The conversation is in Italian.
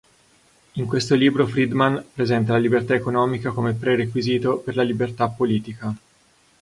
In questo libro Friedman presenta la libertà economica come prerequisito per la libertà politica.